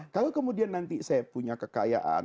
kalau kemudian nanti saya punya kekayaan